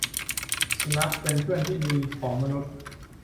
สุนัขเป็นเพื่อนที่ดีของมนุษย์